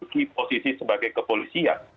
di posisi sebagai kepolisian